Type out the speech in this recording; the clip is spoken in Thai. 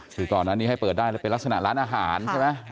คือก่อนอันนี้ให้เปิดได้แล้วเป็นลักษณะร้านอาหารใช่ไหม